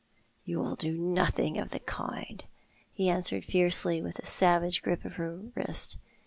"You will do nothing of the kind,"' he answered fiercely, with a savage grip of her wrist.